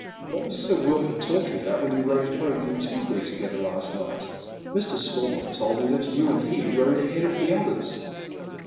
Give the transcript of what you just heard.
What was Sir Wilf ord talking about when you rode home from Tilberry together last night ? Mr. Stormont told me that you and he rode ahead of the others."